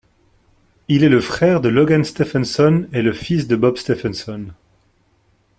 Il est le frère de Logan Stephenson et le fils de Bob Stephenson.